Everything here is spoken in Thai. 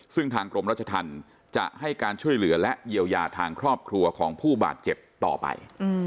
ซึ่งทางกรมรัชธรรมจะให้การช่วยเหลือและเยียวยาทางครอบครัวของผู้บาดเจ็บต่อไป